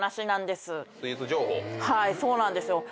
そうなんですよ。